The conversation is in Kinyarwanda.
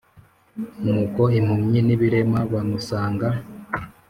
Nuko impumyi n ibirema bamusanga